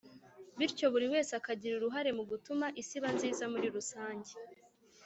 bityo buri wese akagira uruhare mu gutuma isi iba nziza muri rusange